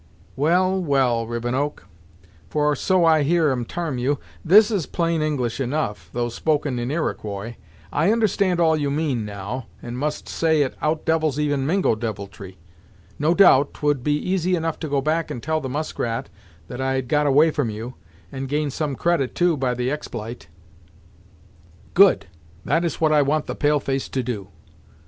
"Well, well, Rivenoak for so I hear 'em tarm you This is plain English, enough, though spoken in Iroquois. I understand all you mean, now, and must say it out devils even Mingo deviltry! No doubt, 'twould be easy enough to go back and tell the Muskrat that I had got away from you, and gain some credit, too, by the expl'ite." "Good. That is what I want the pale face to do."